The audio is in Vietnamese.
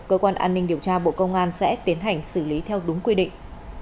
cơ quan an ninh điều tra bộ công an sẽ tiến hành xử lý theo đúng quy định